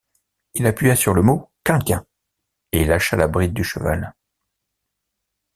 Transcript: Il appuya sur le mot quelqu’un, et lâchant la bride du cheval: